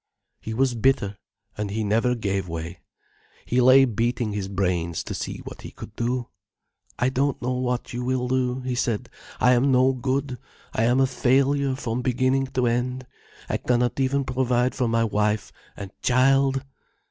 "He was bitter, and he never gave way. He lay beating his brains, to see what he could do. 'I don't know what you will do,' he said. 'I am no good, I am a failure from beginning to end. I cannot even provide for my wife and child!